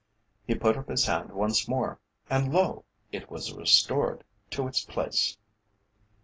He put up his hand once more, and lo! it was restored to its place.